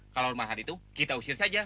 kalau mahar itu kita usir saja